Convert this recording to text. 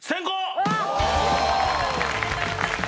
村上さんおめでとうございます。